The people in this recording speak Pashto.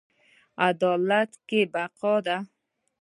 عدالت کې بقا ده